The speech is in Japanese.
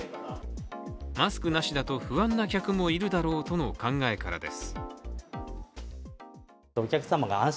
マスクなしだと不安な客もいるだろうとの考えからです。